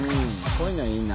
こういうのいいな。